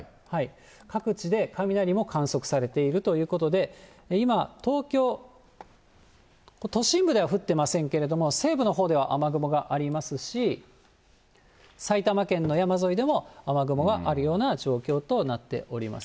各地で雷も観測されているということで、今、東京、都心部では降ってませんけれども、西部のほうでは雨雲がありますし、埼玉県の山沿いでも雨雲があるような状況となっております。